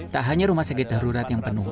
tak hanya rumah sakit darurat yang penuh